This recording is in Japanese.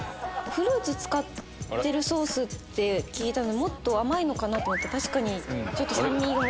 フルーツ使ってるソースって聞いたのでもっと甘いのかと思ったら確かに酸味も。